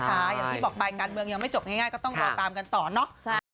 อย่างที่บอกไปการเมืองยังไม่จบง่ายก็ต้องรอตามกันต่อเนาะ